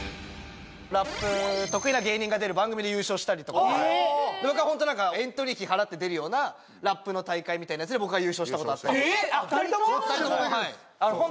ラップ得意な芸人が出る番組で優勝したりとか僕はエントリー費払って出るようなラップの大会みたいなやつで僕が優勝したことあったりえっ２人とも？